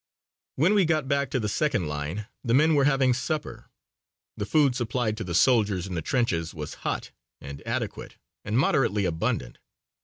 When we got back to the second line the men were having supper. The food supplied to the soldiers in the trenches was hot and adequate and moderately abundant.